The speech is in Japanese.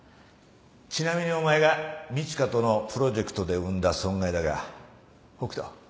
ちなみにお前が路加とのプロジェクトで生んだ損害だが北都。